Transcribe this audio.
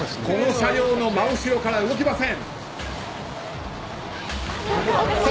車両の真後ろから動きません。